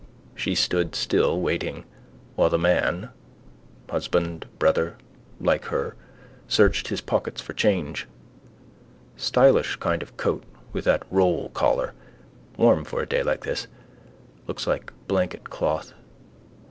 She stood still, waiting, while the man, husband, brother, like her, searched his pockets for change. Stylish kind of coat with that roll collar, warm for a day like this, looks like blanketcloth.